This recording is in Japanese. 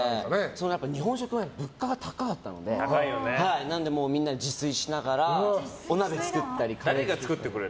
日本食は物価が高かったのでなのでみんなで自炊しながらお鍋作ったりカレー作ったり。